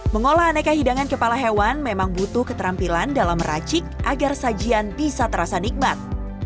mengolah aneka hidangan kepala hewan memang butuh keterampilan dalam meracik agar sajian bisa terasa nikmat